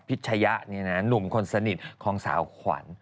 ชยะนี่นะหนุ่มคนสนิทของสาวขวัญ